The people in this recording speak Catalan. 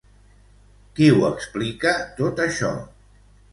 Qui ho explica tot això?